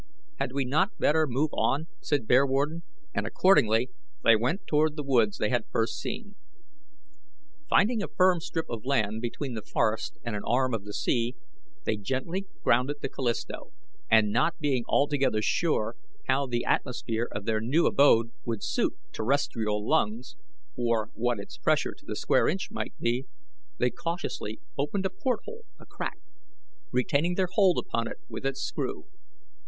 "Had we not better move on?" said Bearwarden, and accordingly they went toward the woods they had first seen. Finding a firm strip of land between the forest and an arm of the sea, they gently grounded the Callisto, and not being altogether sure how the atmosphere of their new abode would suit terrestrial lungs, or what its pressure to the square inch might be, they cautiously opened a port hole a crack, retaining their hold upon it with its screw.